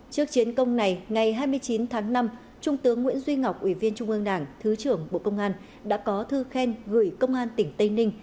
trước chiến công này ngày hai mươi chín tháng năm trung tướng nguyễn duy ngọc ủy viên trung ương đảng thứ trưởng bộ công an đã có thư khen gửi công an tỉnh tây ninh